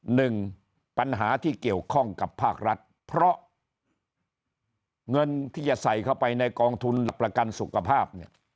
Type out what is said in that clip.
หนึ่งปัญหาที่เกี่ยวข้องกับภาครัฐเพราะเงินที่จะใส่เข้าไปในกองทุนประกันสุขภาพเนี่ย